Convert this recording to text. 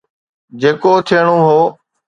جيڪو ٿيڻو هو.